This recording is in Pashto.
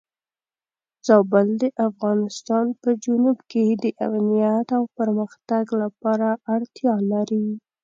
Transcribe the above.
زابل د افغانستان په جنوب کې د امنیت او پرمختګ لپاره اړتیا لري.